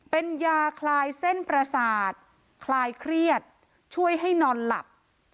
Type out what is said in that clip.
เป็นยาคลายเส้นประสาทคลายเครียดช่วยให้นอนหลับ